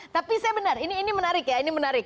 tapi saya benar ini menarik ya